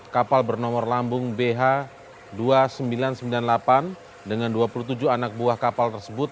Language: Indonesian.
kapal bernomor lambung bh dua ribu sembilan ratus sembilan puluh delapan dengan dua puluh tujuh anak buah kapal tersebut